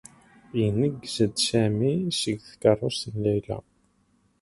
Ineggez-d Sami seg tkeṛṛust n Layla.